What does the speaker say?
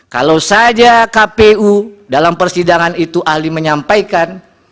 kalau saja kpu dalam persidangan itu ahli menyampaikan